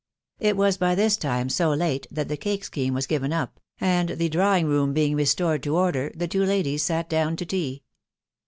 It was by this time so late that the cake scheme was given up. and the drawing room being restored to order, the two ladies sat down to tea.